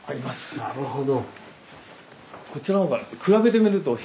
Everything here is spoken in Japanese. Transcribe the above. なるほど。